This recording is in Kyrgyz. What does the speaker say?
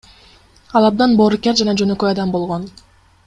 Ал абдан боорукер жана жөнөкөй адам болгон.